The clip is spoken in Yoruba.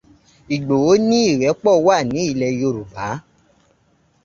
Ìgbòho ní ìrẹ̀pọ́ wà ní ilẹ̀ Yorùbá.